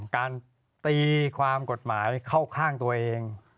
การตีความกฎหมายเข้าข้างตัวเอง